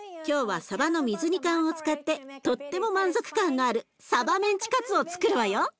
今日はさばの水煮缶を使ってとっても満足感のあるさばメンチカツをつくるわよ！